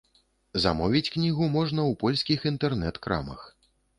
Замовіць кнігу можна ў польскіх інтэрнэт-крамах.